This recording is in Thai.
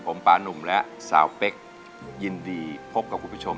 ผมปานุ่มและสาวเป๊กยินดีพบกับคุณผู้ชม